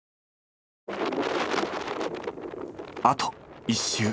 あと１周。